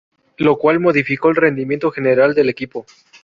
Lo cual modificó el rendimiento general del equipo.